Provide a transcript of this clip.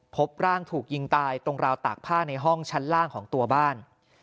พบร่างถูกยิงตายตรงราวตากผ้าในห้องชั้นล่างของตัวบ้าน